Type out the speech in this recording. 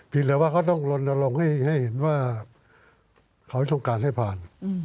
แต่ว่าเขาต้องลนลงให้เห็นว่าเขาต้องการให้ผ่าน